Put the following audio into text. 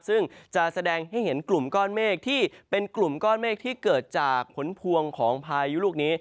ซึ่งจะแสดงให้เห็นกลุ่มก้อนเมฆที่เป็นกลุ่มก้อนเมฆที่เกิดจากผลพวงของพายุลูกนี้